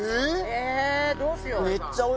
えどうしようかな？